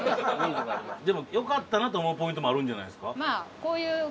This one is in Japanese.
でもよかったなと思うポイントもあるんじゃないですか？